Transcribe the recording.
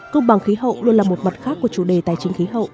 công bằng khí hậu luôn là một mặt khác của chủ đề tài chính khí hậu